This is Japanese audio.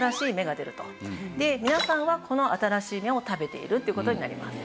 皆さんはこの新しい芽を食べているっていう事になります。